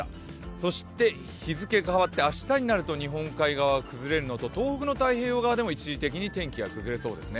そして日付変わって明日になると日本海側、崩れるのと東北の太平洋側でも一時的に天気が崩れそうですね。